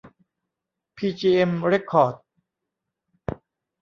พีจีเอ็ม เร็คคอร์ด